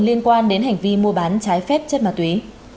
liên quan đến hành vi mua bán trái phép chất mà tuý